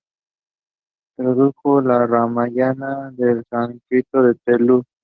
Tradujo el Ramayana del sánscrito al telugu.